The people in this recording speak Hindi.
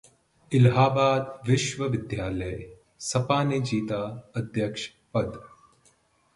इलाहाबाद विश्वविद्यालय: सपा ने जीता अध्यक्ष पद